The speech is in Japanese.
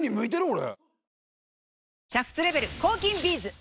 俺。